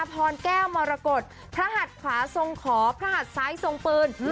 พรแก้วมรกฏพระหัดขวาทรงขอพระหัดซ้ายทรงปืน